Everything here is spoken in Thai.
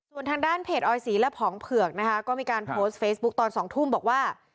ส่วนทางด้านเพจออยสีและผองเผือกนะคะก็มีการโพสต์เฟซบุ๊คตอน๒ทุ่มบอกว่า